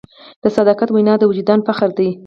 د صداقت وینا د وجدان فخر دی.